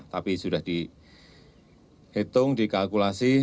tapi sudah dihitung dikalkulasi